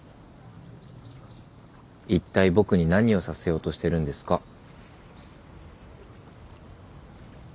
いったい僕に何をさせようとしてるんですか？